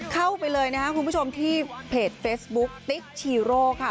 เข้าไปเลยน่ะพบุธชมที่เพจเฟสบุ๊คติ๊กชีโร่ค่ะ